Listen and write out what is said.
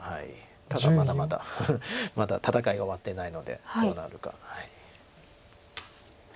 ただまだまだまだ戦いは終わってないのでどうなるか。